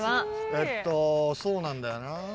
えっとそうなんだよな。